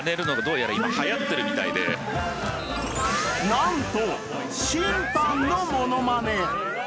なんと審判のものまね。